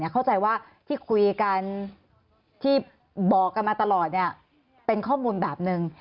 เข้าใจว่าที่คุยกันที่บอกกันมาตลอดเป็นข้อมูลแบบหนึ่ง